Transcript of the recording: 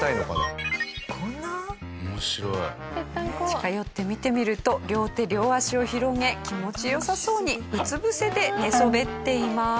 近寄って見てみると両手両脚を広げ気持ち良さそうにうつ伏せで寝そべっています。